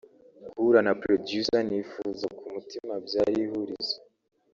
guhura na Producer nifuza ku mutima byari ihurizo